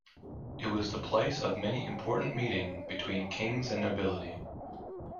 It was the place of many important meeting between kings and nobility.